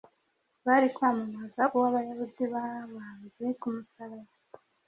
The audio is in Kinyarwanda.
bari kwamamaza Uwo Abayahudi babambye ku musaraba,